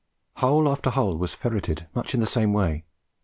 Hole after hole was ferreted much in the same way.